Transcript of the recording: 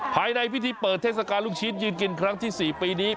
ภายในพิธีเปิดเทศกาลลูกชิ้นยืนกินครั้งที่๔ปีนี้